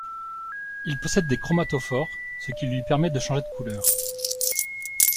Il possède des chromatophores ce qui lui permet de changer de couleurs.